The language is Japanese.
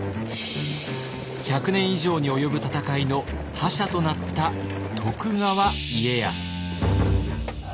１００年以上に及ぶ戦いの覇者となった徳川家康。